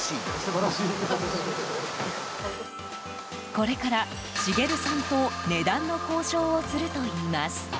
これから、茂さんと値段の交渉をするといいます。